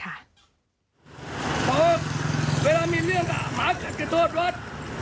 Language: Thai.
เพราะเวลามีเรื่องกับหมาขัดกระโดดร้อน